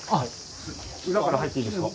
裏から入っていいですか？